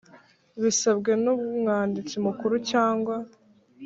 Bisabwe n Umwanditsi Mukuru cyangwa